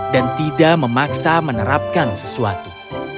dan tidak memaksa menerapkan sesuatu